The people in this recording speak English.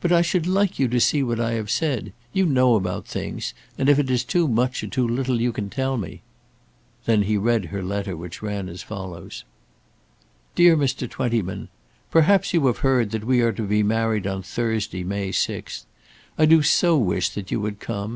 "But I should like you to see what I have said. You know about things, and if it is too much or too little, you can tell me." Then he read her letter, which ran as follows. DEAR MR. TWENTYMAN, Perhaps you have heard that we are to be married on Thursday, May 6th. I do so wish that you would come.